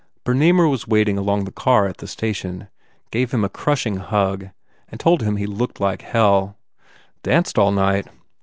Bernamer was waiting with the car at the station, gave him a crushing hug and told him that he looked like hell. "Danced all night."